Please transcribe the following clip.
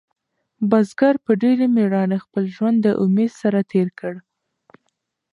بزګر په ډېرې مېړانې خپل ژوند د امید سره تېر کړ.